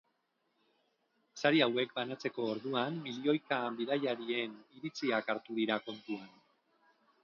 Sari hauek banatzeko orduan milioika bidaiarien iritziak hartu dira kontuan.